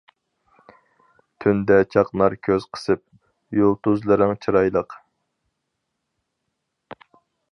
تۈندە چاقنار كۆز قىسىپ، يۇلتۇزلىرىڭ چىرايلىق.